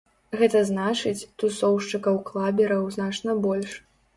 Гэта значыць, тусоўшчыкаў-клабераў значна больш.